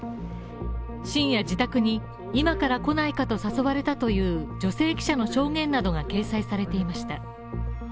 深夜自宅に今から来ないかと誘われたという女性記者の証言などが掲載されていました。